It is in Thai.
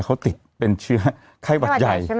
เขาติดเป็นเชื้อไข้หวัดใหญ่